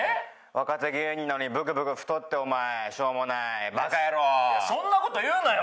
若手芸人なのにブクブク太ってお前しょうもないバカヤロウそんなこと言うなよ